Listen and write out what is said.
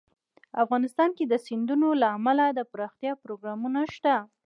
افغانستان کې د سیندونه لپاره دپرمختیا پروګرامونه شته.